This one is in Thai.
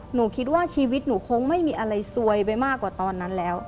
หนูคิดว่าชีวิตหนูคงไม่มีอะไรซวยไปมากกว่าตอนนั้นแล้ว